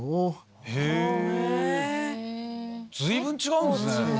随分違うんですね。